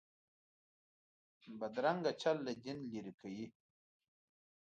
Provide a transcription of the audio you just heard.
بدرنګه چل له دین لرې کوي